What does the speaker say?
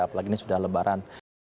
apalagi ini sudah lebaran